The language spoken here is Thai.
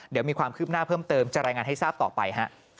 เดี๋ยวมีความคืบหน้าเพิ่มเติมจะรายงานให้ทราบต่อไป